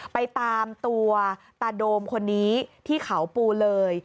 ไปตามตัวตาโดมคนนี้ที่เขาปูเลย